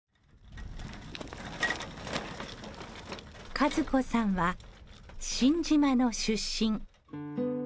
和子さんは新島の出身。